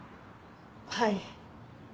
はい。